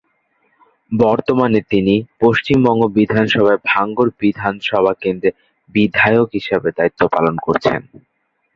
বর্তমানে তিনি পশ্চিমবঙ্গ বিধানসভায় ভাঙড় বিধানসভা কেন্দ্রের বিধায়ক হিসেবে দায়িত্ব পালন করছেন।